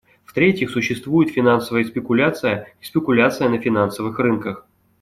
В-третьих, существует финансовая спекуляция и спекуляция на финансовых рынках.